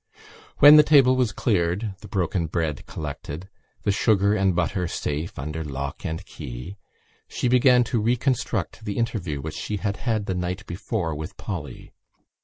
When the table was cleared, the broken bread collected, the sugar and butter safe under lock and key, she began to reconstruct the interview which she had had the night before with Polly.